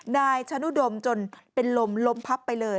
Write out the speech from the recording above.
นายชะนุดมจนเป็นลมลมพับไปเลย